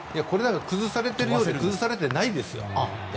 崩されているようで崩されてないですよ。